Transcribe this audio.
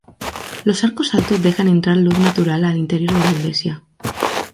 Los arcos altos dejan entrar luz natural al interior de la iglesia.